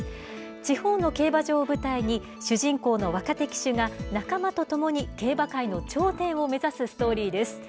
地方の競馬場を舞台に、主人公の若手騎手が、仲間と共に競馬界の頂点を目指すストーリーです。